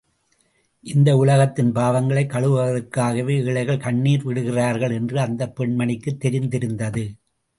இந்த உலகத்தின் பாவங்களை கழுவுவதற்காகவே ஏழைகள் கண்ணிர் விடுகிறார்கள் என்று அந்தப் பெண்மணிக்கு தெரிந்திருந்தது.